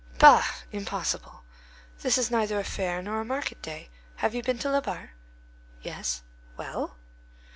"Bah! Impossible. This is neither a fair nor a market day. Have you been to Labarre?" "Yes." "Well?"